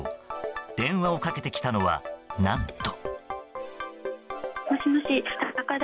電話をかけてきたのは何と。